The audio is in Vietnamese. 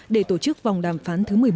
để tổ chức vòng đàm phán thứ một mươi một